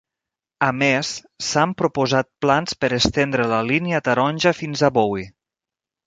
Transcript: A més, s'han proposat plans per estendre la línia Taronja fins a Bowie.